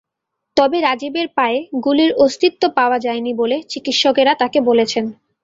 তবে রাজীবের পায়ে গুলির অস্তিত্ব পাওয়া যায়নি বলে চিকিৎসকেরা তাঁকে বলেছেন।